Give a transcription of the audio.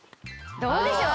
どうでしょう？